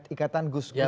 ikatan gus gus indonesia